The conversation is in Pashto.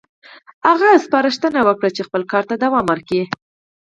هغه سپارښتنه وکړه چې خپل کار ته دوام ورکړي.